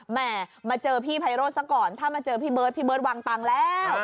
แม่มาเจอพี่ไพโรธซะก่อนถ้ามาเจอพี่เบิร์ดพี่เบิร์ตวางตังค์แล้ว